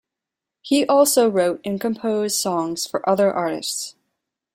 He also wrote and composed songs for other artists.